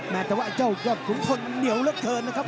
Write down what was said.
แม้แต่ว่าเจ้าเย้ยดขุมทนเยี่ยวเรอะเกินนะครับ